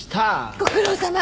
ご苦労さま。